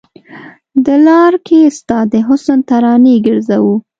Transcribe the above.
د لار کې ستا د حسن ترانې ګرځو